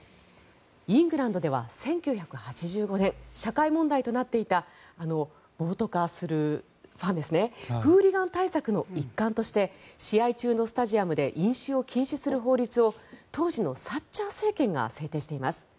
イングランドでは１９８５年社会問題となっていた暴徒化するファンのフーリガン対策の一環として試合中のスタジアムで飲酒を禁止する法律を当時のサッチャー政権が制定しています。